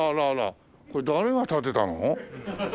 これ誰が建てたの？